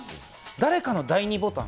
誰かの第２ボタン。